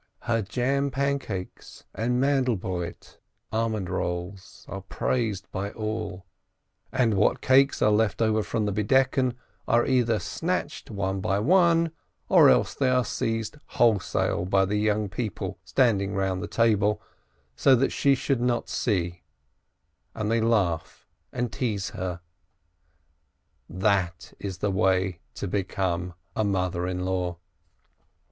Her jam pancakes and almond rolls are praised by all, and what cakes are left over from the Veiling Ceremony are either snatched one by one, or else they are seized wholesale by the young people standing round the table, so that she should not see, and they laugh and tease her. That is the way to become a mother in law